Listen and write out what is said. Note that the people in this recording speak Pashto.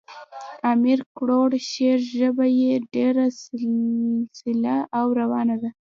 د امیر کروړ شعر ژبه ئي ډېره سلیسه او روانه ده.